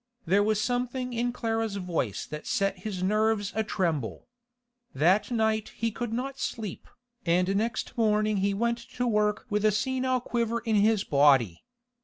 There was something in Clara's voice that set his nerves a tremble. That night he could not sleep, and next morning he went to work with a senile quiver in his body.